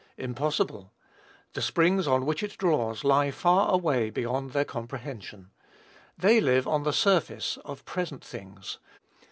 Impossible: the springs on which it draws lie far away beyond their comprehension. They live on the surface of present things.